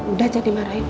udah jadi marah ya